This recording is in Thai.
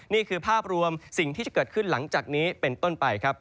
นี่คือภาพรวมสิ่งที่จะเกิดขึ้นหลังจากนี้เป็นต้นไปครับ